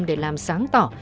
để làm sáng tỏ